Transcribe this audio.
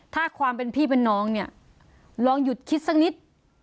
ถ้าความเป็นพี่เป็นน้องเนี่ยลองหยุดคิดสักนิด